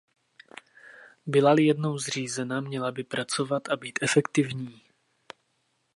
Byla-li jednou zřízena, měla by pracovat a být efektivní.